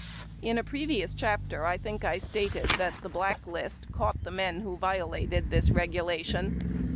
In a previous chapter I think I stated that the Black List caught the men who violated this regu lation.